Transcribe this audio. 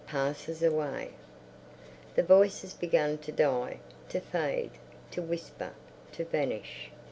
Passes away. The voices began to die, to fade, to whisper... to vanish....